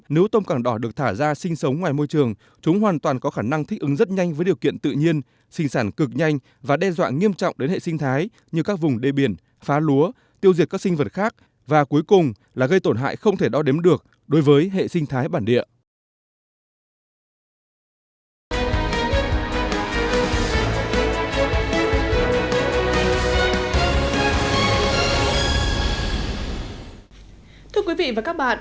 nếu tôm càng đỏ được thả ra sinh sống ngoài môi trường chúng hoàn toàn có khả năng thích ứng rất nhanh với điều kiện tự nhiên sinh sản cực nhanh và đe dọa nghiêm trọng đến hệ sinh thái như các vùng đê biển phá lúa tiêu diệt các sinh vật khác và cuối cùng là gây tổn hại không thể đo đếm được đối với hệ sinh thái bản địa